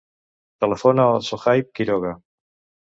Telefona al Sohaib Quiroga.